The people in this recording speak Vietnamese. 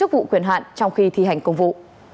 vụ quyền hạn trong khi thi hành công vụ